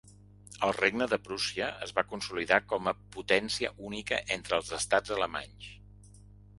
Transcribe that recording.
El Regne de Prússia, es va consolidar com a potència única entre els estats alemanys.